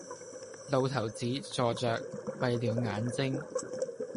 老頭子坐着，閉了眼睛，